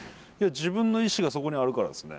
自分の意志がそこにあるからですね。